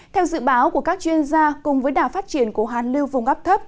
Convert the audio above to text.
theo dự báo của các chuyên gia cùng với đảm phát triển của hàn liêu vùng gấp thấp